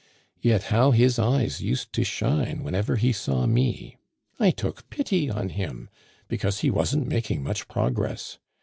Yet, how his eyes used to shine whenever he saw me ! I took pity on him, because he wasn't making much progress.